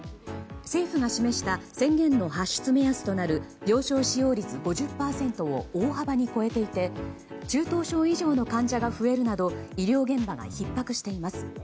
政府が示した宣言の発出目安となる病床使用率５０％を大幅に超えていて中等症以上の患者が増えるなど医療現場がひっ迫しています。